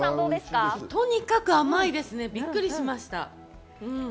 とにかく甘くてびっくりしました。